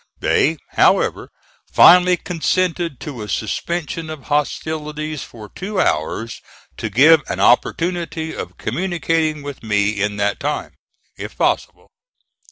They, however, finally consented to a suspension of hostilities for two hours to give an opportunity of communicating with me in that time, if possible.